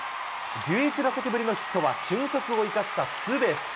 １１打席ぶりのヒットは、俊足を生かしたツーベース。